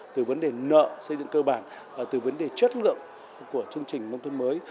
từ vấn đề nợ xây dựng cơ bản từ vấn đề chất lượng của chương trình nông thôn mới